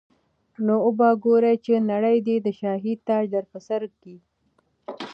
نو به ګورې چي نړۍ دي د شاهي تاج در پرسر کي